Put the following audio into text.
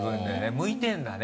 向いてるんだね